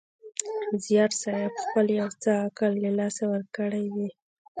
زیارصېب خپل یو څه عقل له لاسه ورکړی وي.